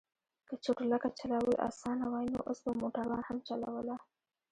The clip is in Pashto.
که چورلکه چلول اسانه وای نو اوس به موټروان هم چلوله.